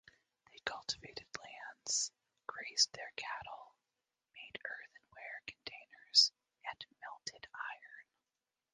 They cultivated lands, grazed their cattle, made earthenware containers and melted iron.